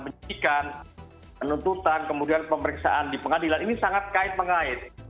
penyidikan penuntutan kemudian pemeriksaan di pengadilan ini sangat kait mengait